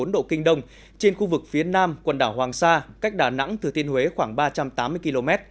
một trăm một mươi một bốn độ kinh đông trên khu vực phía nam quần đảo hoàng sa cách đà nẵng từ thiên huế khoảng ba trăm tám mươi km